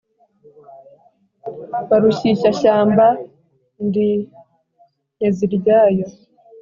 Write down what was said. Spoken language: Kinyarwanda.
Barushyishyamba ndi Nteziryayo.